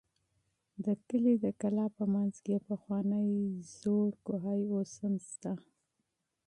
د کلي د کلا په منځ کې یو پخوانی ژور کوهی موجود دی.